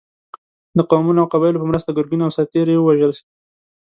د قومونو او قبایلو په مرسته ګرګین او سرتېري یې ووژل.